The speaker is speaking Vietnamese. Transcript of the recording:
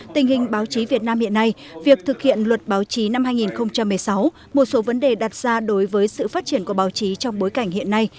tình hình báo chí việt nam hiện nay việc thực hiện luật báo chí năm hai nghìn một mươi sáu một số vấn đề đặt ra đối với sự phát triển của báo chí trong bối cảnh hiện nay